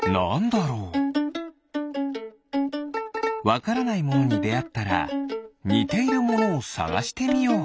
わからないものにであったらにているものをさがしてみよう！